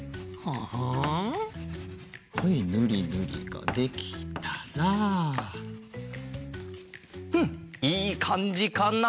はいぬりぬりができたらうんいいかんじかな。